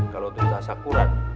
kalau untuk tas akuran